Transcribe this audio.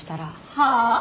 はあ？